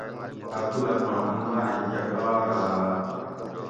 عبدالحقاں ان ماۤئے کہ کاراۤ